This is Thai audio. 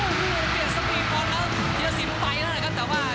โอ้โหเปลี่ยนสปีดบอลแล้วเทียสินไปแล้วนะครับแต่ว่า